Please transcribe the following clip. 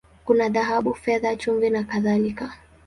Kuna dhahabu, fedha, chumvi, na kadhalika.